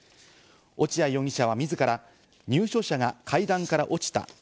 落合容疑者は自ら入所者が階段から落ちた。